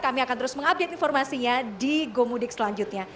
kami akan terus mengupdate informasinya di gomudik selanjutnya